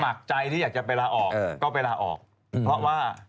คือใครสมัครใจที่อยากจะไปลาออกก็ไปลาออกเพราะว่า